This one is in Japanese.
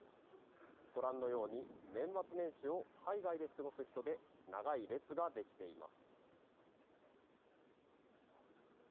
ご覧のように年末年始を海外で過ごす人で長い列ができています。